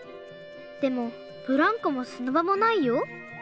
でもブランコも砂場もないよ。